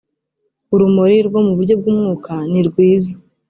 urumuri rwo mu buryo bw umwuka nirwiza